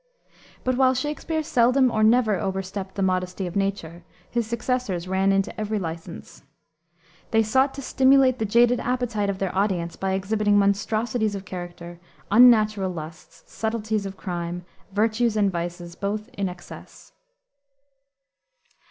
But while Shakspere seldom or never overstepped the modesty of nature, his successors ran into every license. They sought to stimulate the jaded appetite of their audience by exhibiting monstrosities of character, unnatural lusts, subtleties of crime, virtues and vices both in excess.